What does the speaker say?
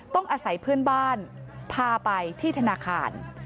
ต้องอาศัยเพื่อนบ้านพาไปที่ธนาคาร